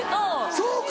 そうか！